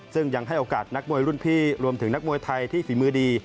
ซึ่งยังให้โอกาสนักมวยรุ่นพี่รวมถึงนักมวยไทยที่ฝีมือดี